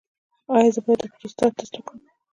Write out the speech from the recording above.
ایا زه باید د پروستات ټسټ وکړم؟